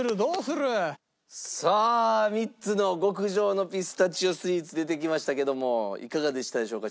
３つの極上のピスタチオスイーツ出てきましたけどもいかがでしたでしょうか？